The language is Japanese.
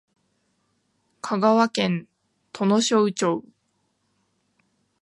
香川県土庄町